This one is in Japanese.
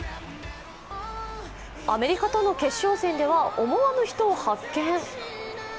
アメリカとの決勝戦では思わぬ人を発見。